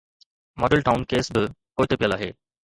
Model town case به پوئتي پيل آهي.